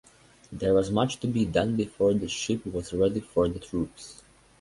There was much to be done before the ship was ready for the troops.